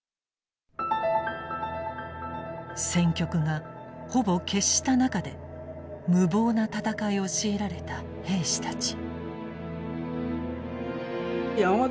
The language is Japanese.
戦局がほぼ決した中で無謀な戦いを強いられた兵士たち。